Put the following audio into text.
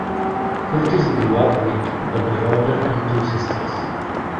Curtis grew up with a brother and two sisters.